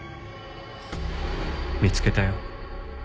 見つけたよ。